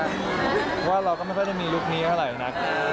เพราะว่าเราก็ไม่ค่อยได้มีลุคนี้เท่าไหร่นัก